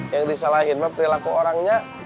yang disalahin perilaku orangnya